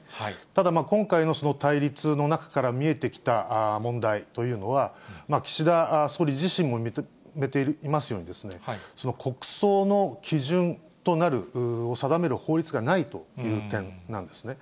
ただ、今回のその対立の中から見えてきた問題というのは、岸田総理自身も認めていますように、国葬の基準となる、定める法律がないという点なんですね。